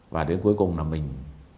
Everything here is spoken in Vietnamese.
và đến cuối cùng là mình